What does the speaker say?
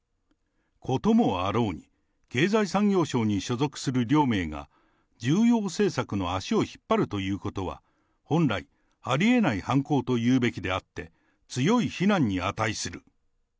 こともあろうに、経済産業省に所属する両名が、重要政策の足を引っ張るということは、本来、ありえない犯行と言うべきであって、強い非難に値する。